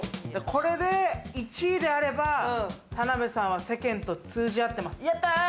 これで１位であれば、田辺さんは世間と通じ合ってます。